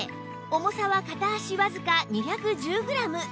重さは片足わずか２１０グラム